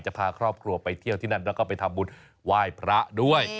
พาครอบครัวไปเที่ยวที่นั่นแล้วก็ไปทำบุญไหว้พระด้วย